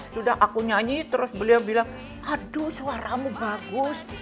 sudah aku nyanyi terus beliau bilang aduh suaramu bagus